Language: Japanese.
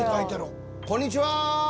こんにちは！